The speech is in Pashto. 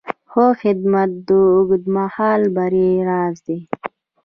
ښه خدمت د اوږدمهاله بری راز دی.